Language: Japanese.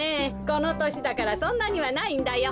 このとしだからそんなにはないんだよ。